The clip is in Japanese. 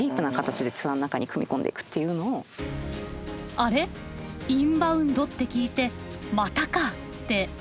あれっインバウンドって聞いてまたかってお思いですか？